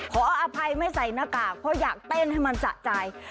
ขออภัยไม่ใส่หน้ากากเพราะอยากเต้นให้มันสะใจ